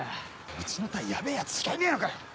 うちの隊ヤベェ奴しかいねえのかよ！